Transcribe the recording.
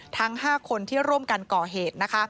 ทั้ง๕คนที่ร่วมกันก่อเหตุนะคะ